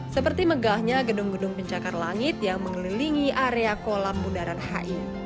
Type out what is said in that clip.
seperti megahnya gedung gedung pencakar langit yang mengelilingi area kolam bundaran hi